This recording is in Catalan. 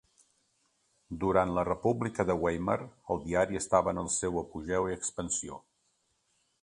Durant la República de Weimar el diari estava en el seu apogeu i expansió.